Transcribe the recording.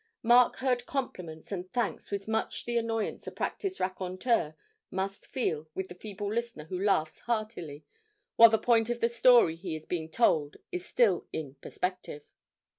Mark heard compliments and thanks with much the annoyance a practised raconteur must feel with the feeble listener who laughs heartily, while the point of the story he is being told is still in perspective.